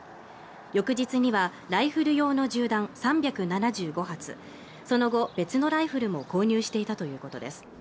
翌日にはライフル用の銃弾３７５発その後別のライフルも購入していたということです